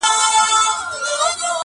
قاتلان او جاهلان یې سرداران دي.!